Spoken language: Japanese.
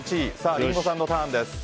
リンゴさんのターンです。